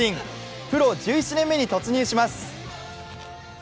プロ１７年目に突入します。